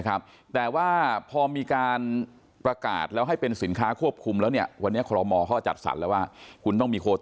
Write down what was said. ราคาชิ้นละ๒บาท๕๐สตางค์